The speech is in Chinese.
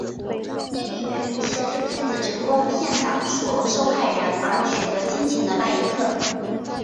电影原名是指骗子成功骗倒受害人而取得金钱的那一刻。